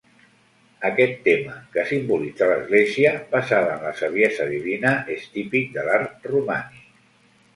Aquest tema, que simbolitza l'Església basada en la saviesa divina, és típic de l'art romànic.